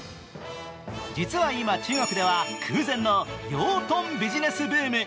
実は今、中国では空前の養豚ビジネスブーム。